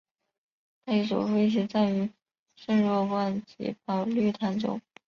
他与祖父一起葬于圣若望及保禄堂中。